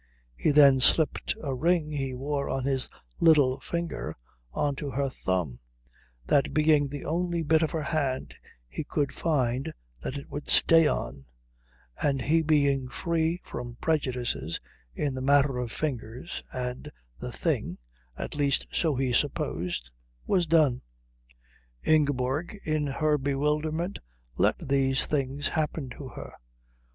He then slipped a ring he wore on his little finger on to her thumb, that being the only bit of her hand he could find that it would stay on, and he being free from prejudices in the matter of fingers, and the thing at least so he supposed was done. Ingeborg in her bewilderment let these things happen to her.